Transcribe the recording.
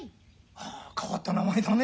あ変わった名前だね。